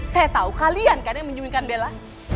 saya tahu kalian kan yang menyemingkan bella